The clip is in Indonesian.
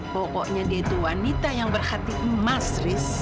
pokoknya dia itu wanita yang berhati emas risk